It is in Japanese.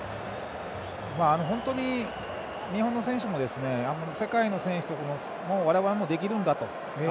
本当に日本の選手も世界の選手とでも我々もできるんだと。